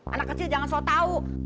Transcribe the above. anak kecil jangan so tau